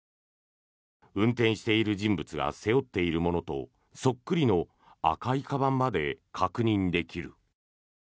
運転している人物が背負っているものとそっくりの赤いかばんまで確認できる。